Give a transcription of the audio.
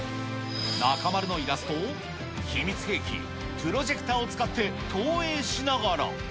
中丸のイラストを、秘密兵器、プロジェクターを使って投影しながら。